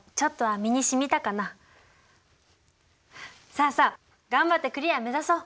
さあさあ頑張ってクリア目指そう！